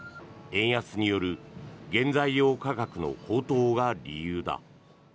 円安による原材料価格の高騰が理由だ。